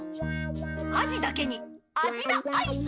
アジだけにアジなアイス！